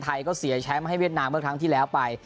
ก็เสียแชมป์ให้เวียดนามเมื่อครั้งที่แล้วไป